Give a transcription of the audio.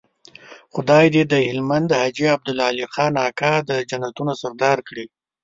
خدای دې د هلمند حاجي عبدالعلي خان اکا د جنتونو سردار کړي.